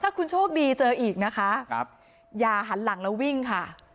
ถ้าคุณโชคดีเจออีกนะคะอย่าหันหลังแล้ววิ่งค่ะ